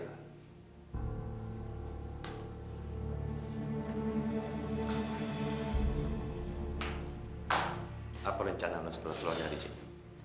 apa rencana lo setelah keluar dari sini